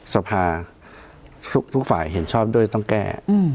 สภาทุกฝ่ายเห็นชอบด้วยต้องแก้